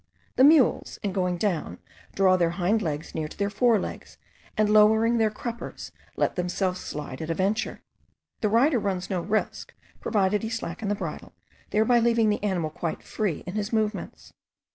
The mules in going down draw their hind legs near to their fore legs, and lowering their cruppers, let themselves slide at a venture. The rider runs no risk, provided he slacken the bridle, thereby leaving the animal quite free in his movements.